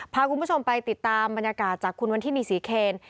พาคุณผู้ชมไปติดตามบรรยากาศจากคุณวันทินีศรีเคน